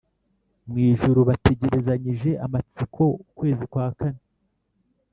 mu ijuru Bategerezanyije amatsiko ukwezi kwa kane